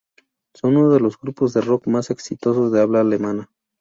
Son uno de los grupos de rock más exitosos de habla alemana.